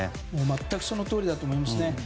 全くそのとおりだと思いますね。